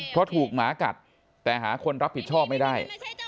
เพราะถูกหมากัดแต่หาคนรับผิดชอบไม่ได้